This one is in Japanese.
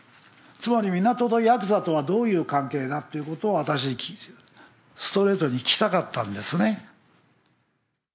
つまり港とヤクザとはどういう関係だっていうことを私にストレートに聞きたかったんですね。